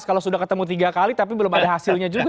kalau sudah ketemu kelima tapi belum ada hasilnya juga